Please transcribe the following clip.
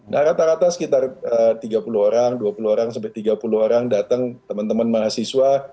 nah rata rata sekitar tiga puluh orang dua puluh orang sampai tiga puluh orang datang teman teman mahasiswa